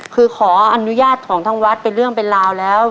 คือขออนุญาตของทางวัดเป็นเรื่องเป็นราวแล้ว